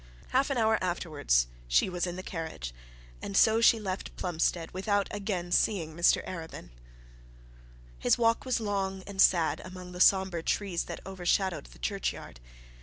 Half an hour afterwards she was in the carriage, and so she left Plumstead without again seeing Mr Arabin. His walk was long and sad among the sombre trees that overshadowed the churchyard.